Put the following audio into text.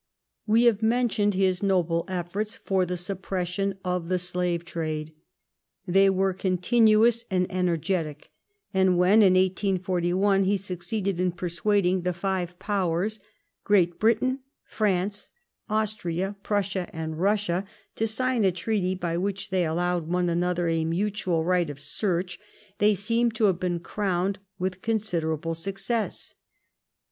We have mentioned his noble efforts for the suppression of the slave trade. They were continuous and energetic ; and when in 1841 he succeeded in per suading the five Powers, Great Britian, France, Austria, Prussia, and Russia, to sign a treaty by which they allowed one another a mutual right of search, they seemed to have been crowned with considerable success.